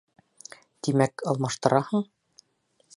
Тимәк, алмаштыраһың?!